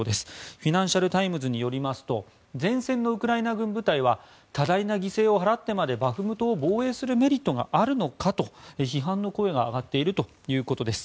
フィナンシャル・タイムズによりますと前線のウクライナ軍部隊は多大な犠牲を払ってまでバフムトを防衛するメリットがあるのかと批判の声が上がっているということです。